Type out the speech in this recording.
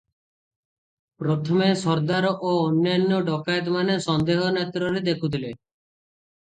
ପ୍ରଥମେ ସର୍ଦ୍ଦାର ଓ ଅନ୍ୟାନ୍ୟ ଡକାଏତମାନେ ସନ୍ଦେହ ନେତ୍ରରେ ଦେଖୁଥିଲେ ।